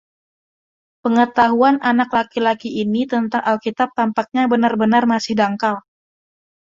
Pengetahuan anak laki-laki ini tentang Alkitab tampaknya benar-benar masih dangkal.